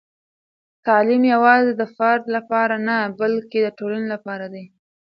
تعلیم یوازې د فرد لپاره نه، بلکې د ټولنې لپاره دی.